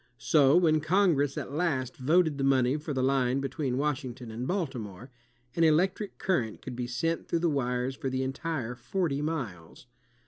So when Congress at last voted the money for the line between Washington and Baltimore, an electric current could be sent through the wires for the entire forty miles.